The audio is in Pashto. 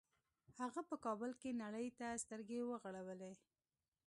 هغه په کابل کې نړۍ ته سترګې وغړولې